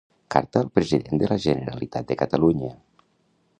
Carta al president de la Generalitat de Catalunya.